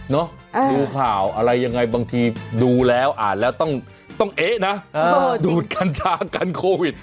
ดูข่าวอะไรยังไงบางทีดูแล้วอ่านแล้วต้องเอ๊ะนะดูดกัญชากันโควิด